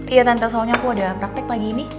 iya tante soalnya aku udah praktek pagi ini